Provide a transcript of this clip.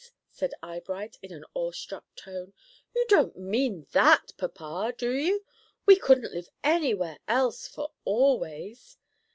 said Eyebright, in an awe struck tone. "You don't mean that, papa, do you? We couldn't live anywhere else for always!"